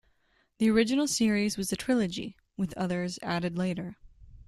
The original series was a trilogy, with others added later.